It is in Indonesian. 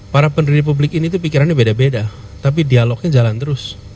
para pendiri publik ini tuh pikirannya beda beda tapi dialognya jalan terus